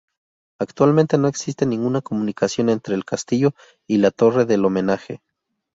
Actualmente no existe ninguna comunicación entre el castillo y la torre del homenaje.